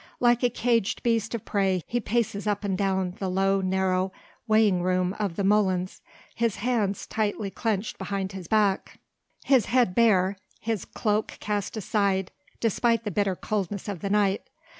Like a caged beast of prey he paces up and down the low, narrow weighing room of the molens, his hands tightly clenched behind his back, his head bare, his cloak cast aside despite the bitter coldness of the night.